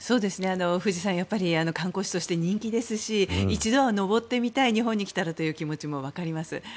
富士山はやはり観光地として人気ですし一度は登ってみたい日本に来たらという気持ちもわかります。